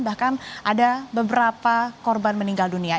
bahkan ada beberapa korban meninggal dunia